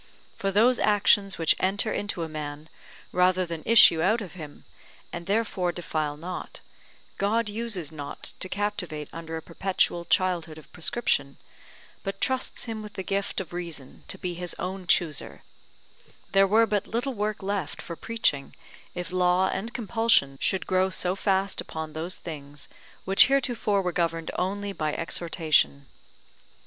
For those actions which enter into a man, rather than issue out of him, and therefore defile not, God uses not to captivate under a perpetual childhood of prescription, but trusts him with the gift of reason to be his own chooser; there were but little work left for preaching, if law and compulsion should grow so fast upon those things which heretofore were governed only by exhortation.